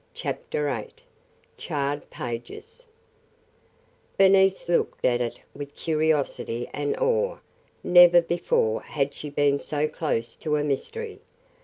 CHAPTER VIII CHARRED PAGES BERNICE looked at it with curiosity and awe. Never before had she been so close to a mystery.